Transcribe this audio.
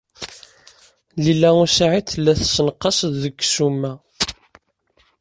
Lila u Saɛid tella tessenqas deg ssuma.